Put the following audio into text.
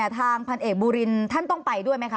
ทางพันเอกบูรินท่านต้องไปด้วยไหมคะ